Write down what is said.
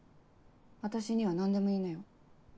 私には何でも言いなよ。